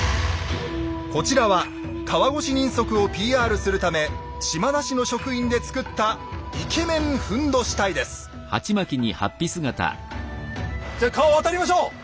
こちらは川越人足をＰＲするため島田市の職員で作ったじゃ川を渡りましょう！